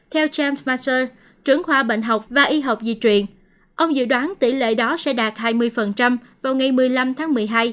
theo champ marser trưởng khoa bệnh học và y học di truyền ông dự đoán tỷ lệ đó sẽ đạt hai mươi vào ngày một mươi năm tháng một mươi hai